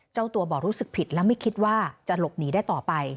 เจ้าตัวบอกรู้สึกผิดและไม่คิดว่าจะหลบหนีได้ต่อไป